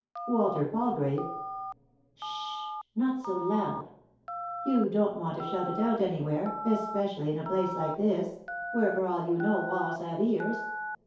"Walter Palgrave I" "Ssh 1 not so loud 1 You don't want to shout it out anywhere, especially in a place like this, where, for all you know, walls have ears.